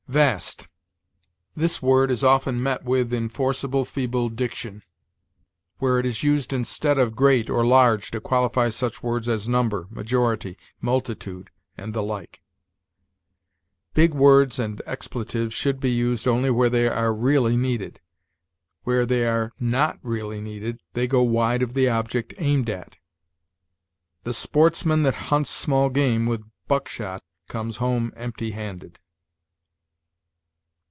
VAST. This word is often met with in forcible feeble diction, where it is used instead of great or large to qualify such words as number, majority, multitude, and the like. Big words and expletives should be used only where they are really needed; where they are not really needed, they go wide of the object aimed at. The sportsman that hunts small game with buck shot comes home empty handed.